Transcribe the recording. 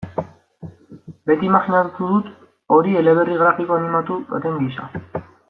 Beti imajinatu dut hori eleberri grafiko animatu baten gisa.